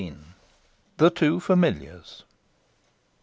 THE TWO FAMILIARS.